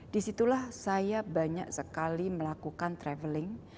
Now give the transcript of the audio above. di situlah saya banyak sekali melakukan travelling